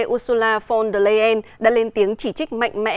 ursula von der leyen đã lên tiếng chỉ trích mạnh mẽ